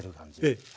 ええ。